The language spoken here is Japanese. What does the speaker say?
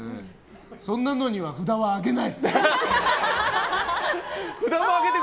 そんなのには札を上げない。